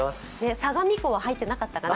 さがみ湖は入ってなかったかな。